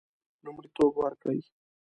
لومړیتوب ورکړي.